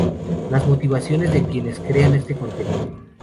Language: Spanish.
Las motivaciones de quienes crean este contenido.